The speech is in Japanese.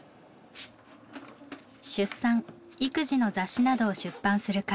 出産育児の雑誌などを出版する会社。